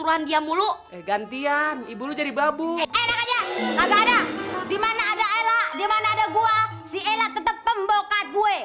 tapi nih asal lu tau aja dimanapun berada elak tetep memboka kue